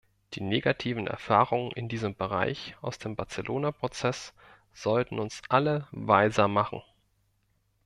Die negativen Erfahrungen in diesem Bereich aus dem Barcelona-Prozess sollten uns alle weiser machen.